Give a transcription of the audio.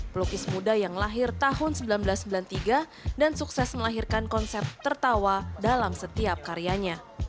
pelukis muda yang lahir tahun seribu sembilan ratus sembilan puluh tiga dan sukses melahirkan konsep tertawa dalam setiap karyanya